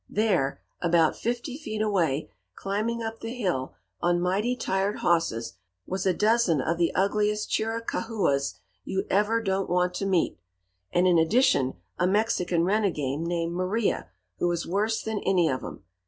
There, about fifty feet away, climbing up the hill on mighty tired hosses, was a dozen of the ugliest Chiricahuas you ever don't want to meet, and in addition a Mexican renegade named Maria, who was worse than any of 'em.